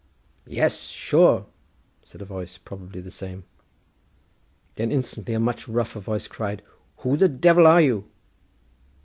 "Yes, sure!" said a voice, probably the same. Then instantly a much rougher voice cried, "Who the Devil are you?"